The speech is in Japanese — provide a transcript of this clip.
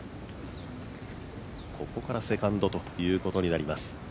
ここからセカンドということになります。